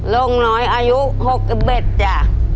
ลุงน้อยอายุ๖๑จ้ะ